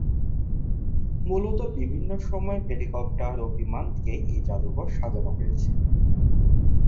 মূলত বিভিন্ন সময়ের হেলিকপ্টার ও বিমান দিয়েই এই জাদুঘর সাজানো হয়েছে।